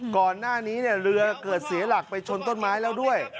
ก่อนหน้านี้เรือเกิดเสียหลักไปชนต้นไม้แล้วด้วย